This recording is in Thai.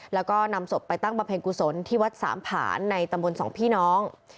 แล้วก็นำศพไปตั้งบำเพ็ญกุศลที่วัดสามผ่านในตำบลสองพี่น้อง